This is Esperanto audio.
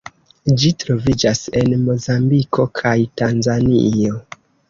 Ĝi troviĝas en Mozambiko kaj Tanzanio.